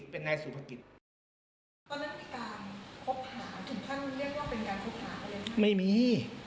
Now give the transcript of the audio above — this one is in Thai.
เป็นนายสุภกิจ